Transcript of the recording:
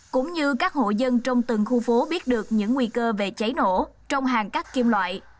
cũng như các hộ dân trong từng khu phố biết được những nguy cơ về cháy nổ trong hàn cắt kim loại